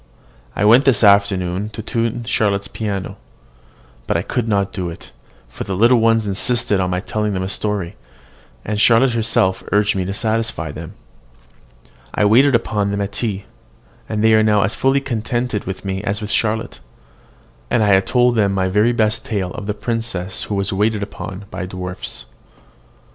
I went this afternoon to tune Charlotte's piano. But I could not do it, for the little ones insisted on my telling them a story; and Charlotte herself urged me to satisfy them. I waited upon them at tea, and they are now as fully contented with me as with Charlotte; and I told them my very best tale of the princess who was waited upon by dwarfs.